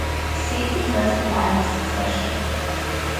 See the present line of succession.